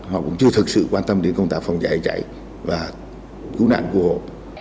họ cũng chưa thực sự quan tâm đến công tác phòng cháy chữa cháy và cứu nạn của họ